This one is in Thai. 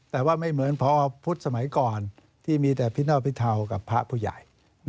แต่ว่าไม่เหมือนพอพุทธสมัยก่อนที่มีแต่พิเน่าพิเทากับพระผู้ใหญ่